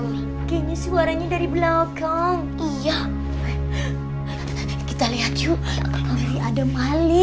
niknya suaranya dari belakang iya kita lihat yuh ada mali